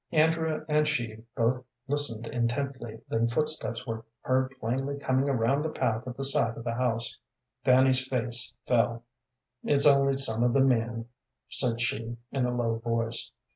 Andrew and she both listened intently, then footsteps were heard plainly coming around the path at the side of the house. Fanny's face fell. "It's only some of the men," said she, in a low voice.